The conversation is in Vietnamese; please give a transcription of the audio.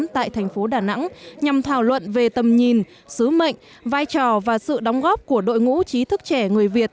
tại thành phố đà nẵng nhằm thảo luận về tầm nhìn sứ mệnh vai trò và sự đóng góp của đội ngũ trí thức trẻ người việt